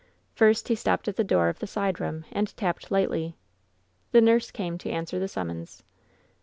First he stopped at the door of the side room and tapped lightly. The nurse came to answer the summons.